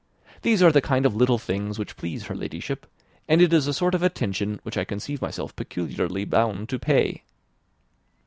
These are the kind of little things which please her Ladyship, and it is a sort of attention which I conceive myself peculiarly bound to pay."